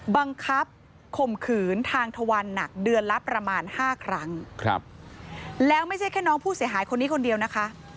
บังคับข่มขืนทางทวันหนักเดือนละประมาณห้าครั้งครับแล้วไม่ใช่แค่น้องผู้เสียหายคนนี้คนเดียวนะคะ